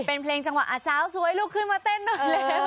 เป็นเพลงจังหวะสาวสวยลุกขึ้นมาเต้นหน่อยเร็ว